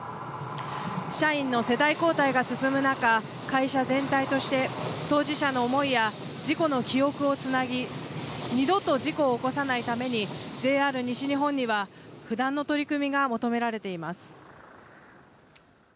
社員の世代交代が進む中、会社全体として当事者の思いや事故の記憶をつなぎ、二度と事故を起こさないために、ＪＲ西日本には不断の取り組みが求められています。